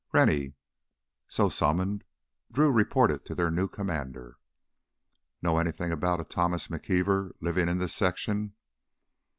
"Rennie!" So summoned, Drew reported to their new commander. "Know anything about a Thomas McKeever livin' in this section?"